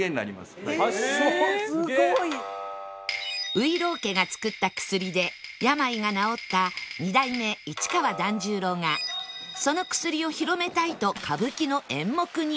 外郎家が作った薬で病が治った二代目市川團十郎がその薬を広めたいと歌舞伎の演目に